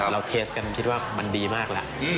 เราเทสกันคิดว่ามันดีมากแหละ